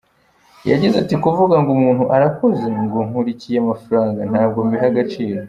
Yagize ati “Kuvuga ngo umuntu arakuze, ngo nkurikiye amafaranga ntabwo mbiha agaciro.